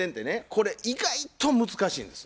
これ以外と難しいんです。